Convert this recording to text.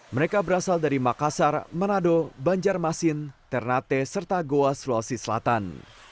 mereka berasal dari makassar manado banjarmasin ternate serta goa sulawesi selatan